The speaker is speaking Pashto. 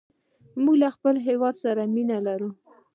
موږ له خپل هېواد سره مینه لرو.